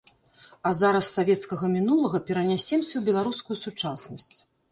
А зараз з савецкага мінулага перанясемся ў беларускую сучаснасць.